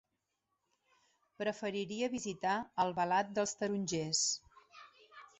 Preferiria visitar Albalat dels Tarongers.